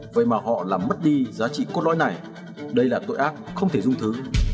vậy mà họ làm mất đi giá trị cốt lõi này đây là tội ác không thể dung thứ